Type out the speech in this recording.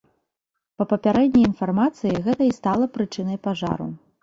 Па папярэдняй інфармацыі, гэта і стала прычынай пажару.